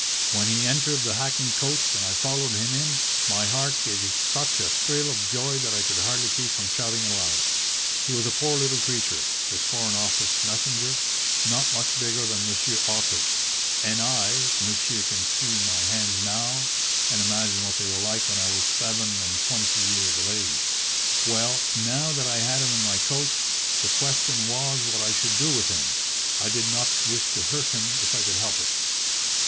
When he entered the hackney coach and I followed him in, my heart gave such a thrill of joy that I could hardly keep from shouting aloud. He was a poor little creature, this Foreign Office messenger, not much bigger than Monsieur Otto, and I monsieur can see my hands now, and imagine what they were like when I was seven and twenty years of age. "Well, now that I had him in my coach, the question was what I should do with him. I did not wish to hurt him if I could help it.